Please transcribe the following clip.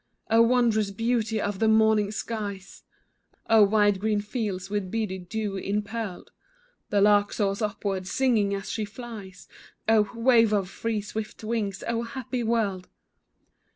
Oh, wondrous beauty of the morning skies! Oh, wide green fields with beady dew impearled! The lark soars upward, singing as she flies, Oh, wave of free, swift wings, oh, happy world!